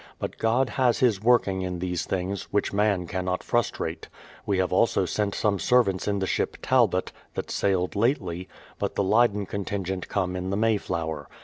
But God has His working in these things, which man cannot frustrate. We have also sent some servants in the ship Talbot, that sailed lately; but the Leyden contingent come in the Mayflower.